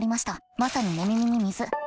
まさに寝耳に水。